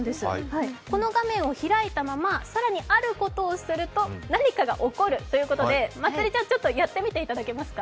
この画面を開いたまま更にあることをすると何かが起こるということで、まつりちゃん、やってみてくれますか。